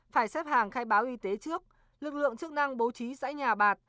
phải xếp hàng khai báo y tế trước lực lượng chức năng bố trí giãi nhà bạt